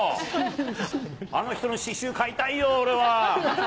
あの人の詩集買いたいよ、俺は。